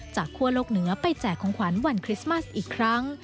คั่วโลกเหนือไปแจกของขวัญวันคริสต์มัสอีกครั้ง